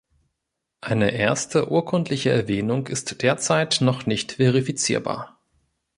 Eine erste urkundliche Erwähnung ist derzeit noch nicht verifizierbar.